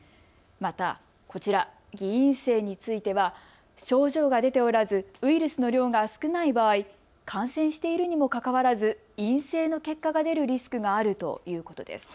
また、こちら、偽陰性については症状が出ておらずウイルスの量が少ない場合、感染しているにもかかわらず陰性の結果が出るリスクがあるということです。